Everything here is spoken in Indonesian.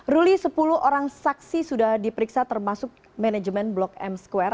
ruli sepuluh orang saksi sudah diperiksa termasuk manajemen blok m square